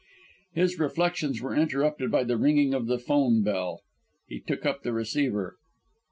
His reflections were interrupted by the ringing of the 'phone bell. He took up the receiver.